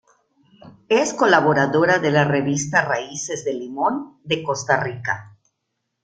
Es colaboradora de la revista Raíces de Limón de Costa Rica.